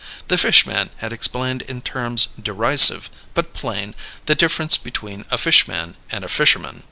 The fish man had explained in terms derisive, but plain, the difference between a fish man and a fisherman.